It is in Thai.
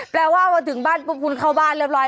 แปลว่าพอถึงบ้านปุ๊บคุณเข้าบ้านเรียบร้อย